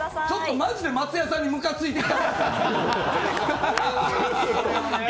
マジで松也さんにむかついてきた。